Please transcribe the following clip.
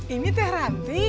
ini teh ranti